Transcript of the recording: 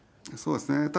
そうですね。